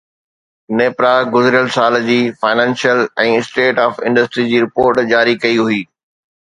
نيپرا گذريل سال جي فنانشل ۽ اسٽيٽ آف انڊسٽري جي رپورٽ جاري ڪئي هئي